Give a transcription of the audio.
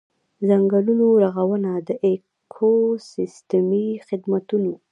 ځنګلونو رغونه د ایکوسیستمي خدمتونو.